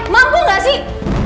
mampu gak sih